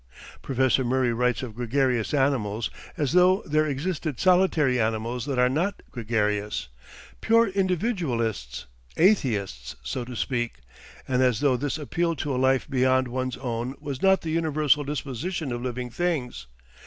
Professor Murray writes of gregarious animals as though there existed solitary animals that are not gregarious, pure individualists, "atheists" so to speak, and as though this appeal to a life beyond one's own was not the universal disposition of living things.